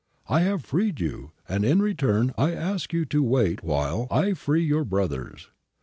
I have freed you, and in return I ask you to wait while I free your brothers.